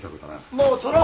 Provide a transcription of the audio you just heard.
もう撮ろう！